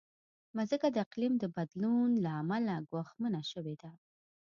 مځکه د اقلیم د بدلون له امله ګواښمنه شوې ده.